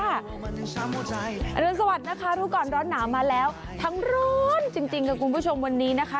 รุนสวัสดิ์นะคะรู้ก่อนร้อนหนาวมาแล้วทั้งร้อนจริงค่ะคุณผู้ชมวันนี้นะคะ